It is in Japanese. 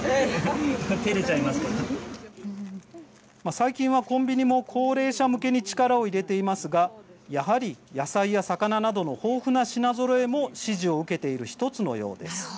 最近はコンビニも高齢者向けに力を入れていますがやはり、野菜や魚などの豊富な品ぞろえも支持を受けている１つのようです。